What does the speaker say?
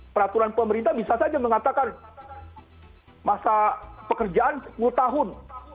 peraturan pemerintah bisa saja mengatakan masa pekerjaan sepuluh tahun